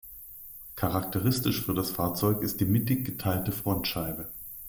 Charakteristisch für das Fahrzeug ist die mittig geteilte Frontscheibe.